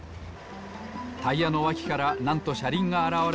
タイヤのわきからなんとしゃりんがあらわれました。